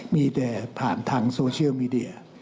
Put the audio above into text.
มีแต่ผ่านทางโซเชียลมีเดีย